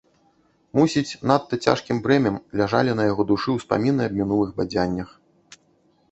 Мусіць, надта цяжкім бярэмем ляжалі на яго душы ўспаміны аб мінулых бадзяннях.